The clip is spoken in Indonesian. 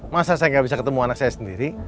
masa saya gak bisa ketemu anak saya sendiri